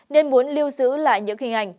nên muốn lưu giữ lại những hình ảnh